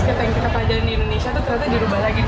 karena kayak di belakang di situ di sana beda banget sama di sini